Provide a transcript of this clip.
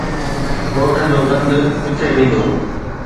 ڳوٺ جو گند ڪٿي ويندو؟